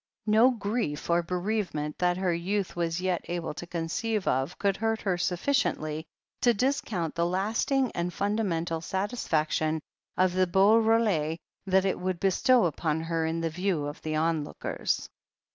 No grief or bereavement that her youth was yet able to conceive of could hurt her sufficiently to discount the lasting and fundamental satisfaction of the beau role that it would bestow upon her in the view of the onlookers.